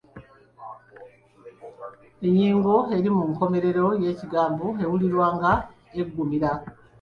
Ennyingo eri ku nkomerero y'ekigambo ewulirwa nga eggumira.